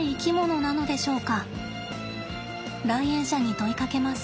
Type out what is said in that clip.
来園者に問いかけます。